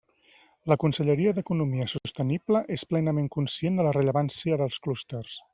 La Conselleria d'Economia Sostenible és plenament conscient de la rellevància dels clústers.